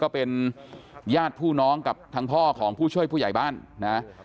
ก็เป็นญาติผู้น้องกับทางพ่อของผู้ช่วยผู้ใหญ่บ้านนะ